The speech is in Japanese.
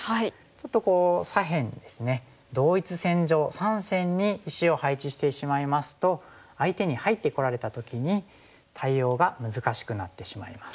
ちょっと左辺ですね同一線上３線に石を配置してしまいますと相手に入ってこられた時に対応が難しくなってしまいます。